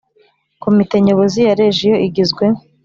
Komite Nyobozi ya Region igizwe